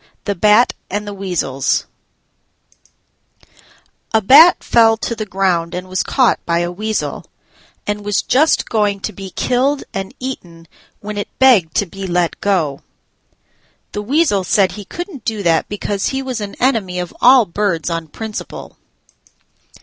THE BAT AND THE WEASELS A Bat fell to the ground and was caught by a Weasel, and was just going to be killed and eaten when it begged to be let go. The Weasel said he couldn't do that because he was an enemy of all birds on principle.